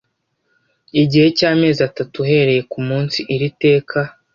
igihe cy amezi atatu uhereye ku munsi iri teka